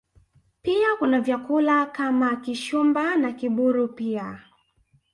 Pia kuna vyakula kama Kishumba na Kibulu pia